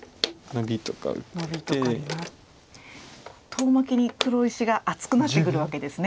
遠巻きに黒石が厚くなってくるわけですね。